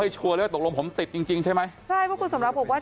ใช่เพราะสมรับบอกว่า